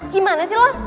gimana sih lu